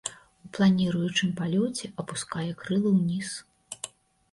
У планіруючым палёце апускае крылы ўніз.